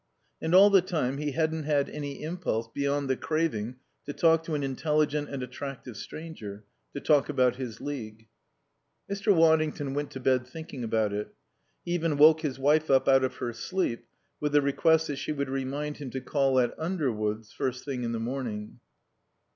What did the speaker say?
And all the time he hadn't had any impulse beyond the craving to talk to an intelligent and attractive stranger, to talk about his League. Mr. Waddington went to bed thinking about it. He even woke his wife up out of her sleep with the request that she would remind him to call at Underwoods first thing in the morning.